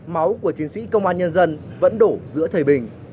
máu của chiến sĩ công an nhân dân vẫn đổ giữa thời bình